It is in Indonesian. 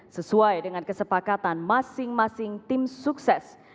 sesuai dengan kesepakatan masing masing tim sukses